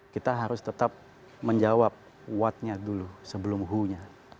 kita harus tetap menjawab what nya dulu sebelum who nya